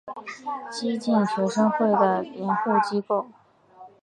激进学生会的掩护机构。